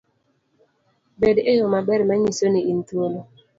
Bed eyo maber manyiso ni in thuolo